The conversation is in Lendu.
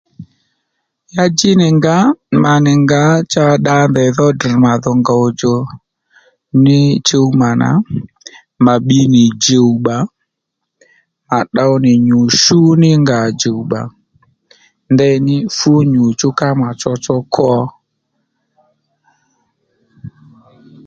Ya dji nì ngǎ mà nì ngǎ cha dda ndèydho drr̀ madho ngòw djò ní chúma nà mà bbi nì djùbba mà ddow nì nyù shú ní nga ò djùbbà ndeyní fú nyù chú ka mà tsotso kwo